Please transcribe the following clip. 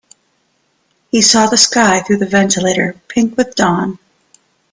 He saw the sky through the ventilator pink with dawn.